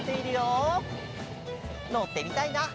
のってみたいな。